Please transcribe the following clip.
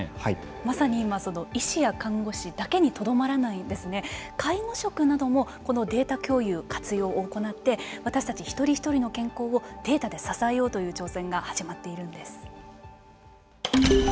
まさに今医師や看護師だけにとどまらない介護職なども、このデータ共有の活用を行って私たち一人一人健康をデータで支えようという挑戦が始まっているんです。